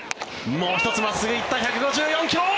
もう１つ、真っすぐ行った１５４ｋｍ！